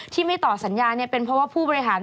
ที่ไม่ต่อสัญญาเป็นเพราะว่าผู้บริหาร